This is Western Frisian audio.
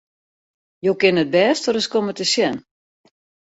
Jo kinne it bêste ris komme te sjen!